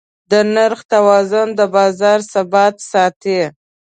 د نرخ توازن د بازار ثبات ساتي.